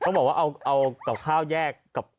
เขาบอกว่าเอากับข้าวแยกกับ